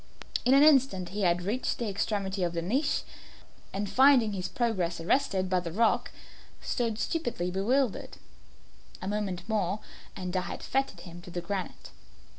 In an instant he had reached the extremity of the niche, and finding his progress arrested by the rock, stood stupidly bewildered. A moment more and I had fettered him to the granite.